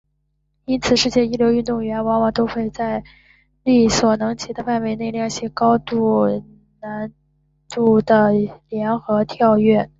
因此世界一流的运动员往往都会在力所能及的范围内练习高难度的联合跳跃。